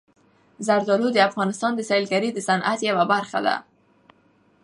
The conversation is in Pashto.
زردالو د افغانستان د سیلګرۍ د صنعت یوه برخه ده.